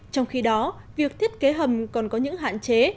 trong khi đó việc thiết kế hầm còn có những hạn chế